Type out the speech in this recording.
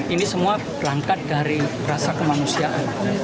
ini semua berangkat dari rasa kemanusiaan